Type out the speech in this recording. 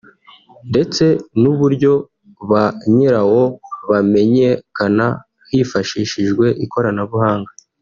ndetse n’uburyo ba nyirawo bamenyekana hifashishijwe ikoranabuhanga